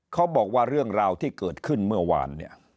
เขาบอกว่าเรื่องราวที่เกิดขึ้นเมื่อวานเนี่ย